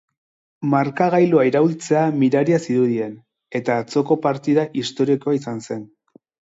Markagailua iraultzea miraria zirudien, eta atzoko partida historikoa izan zen.